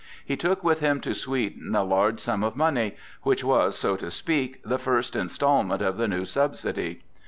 He took with him to Sweden a large sum of money, which was, so to speak, the first instalment of the new subsidy.